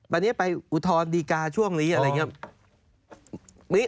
วันนี้ไปอุทธรณ์ดีกาช่วงนี้อะไรอย่างนี้